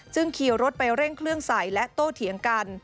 ซึ่งเคียวรถไปเร่งเครื่องใสและโตเถียงกัน